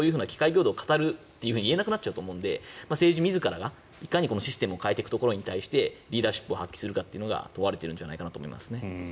平等を語るとか言えなくなると思うので政治自らがいかにシステムを変えていくかところに対してリーダーシップを発揮するかが問われているんじゃないかと思いますね。